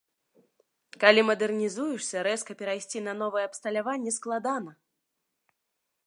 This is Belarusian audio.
Калі мадэрнізуешся, рэзка перайсці на новае абсталяванне складана.